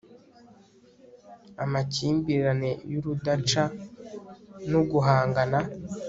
amakimbirane y'urudacan'uguhangana